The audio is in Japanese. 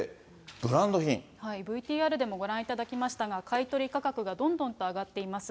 ＶＴＲでもご覧いただきましたが、買い取り価格がどんどんと上がっています。